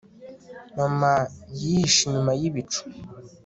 mama yihishe inyuma yibicu